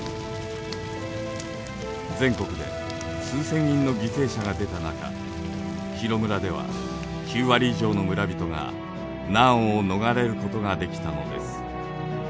全国で数千人の犠牲者が出た中広村では９割以上の村人が難を逃れることができたのです。